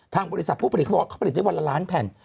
บริษัทผู้ผลิตเขาบอกเขาผลิตได้วันละล้านแผ่น